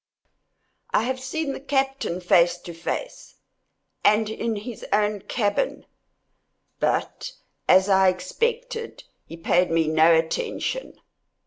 I have seen the captain face to face, and in his own cabin—but, as I expected, he paid me no attention.